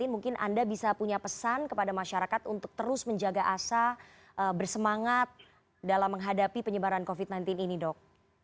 mungkin anda bisa punya pesan kepada masyarakat untuk terus menjaga asa bersemangat dalam menghadapi penyebaran covid sembilan belas ini dok